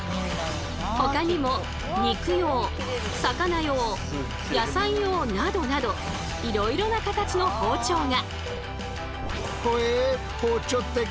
ほかにも肉用魚用野菜用などなどいろいろな形の包丁が。